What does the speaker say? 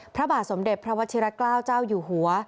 พระบาทสมเด็จพระวัชิระเกล้าเจ้าอยู่หัว